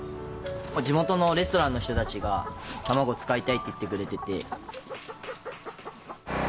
地元のレストランの人たちが卵使いたいって言ってくれてて。